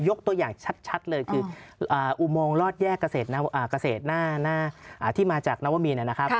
ตัวอย่างชัดเลยคืออุโมงรอดแยกเกษตรหน้าที่มาจากนวมีนนะครับ